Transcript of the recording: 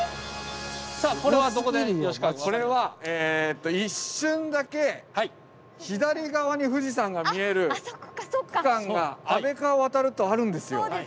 さあこれはどこで吉川君。これはえっと一瞬だけ左側に富士山が見える区間が安倍川を渡るとあるんですよ。